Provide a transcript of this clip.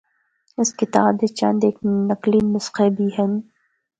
اس کتاب دے چند اک نقلی نسخے بھی ہن۔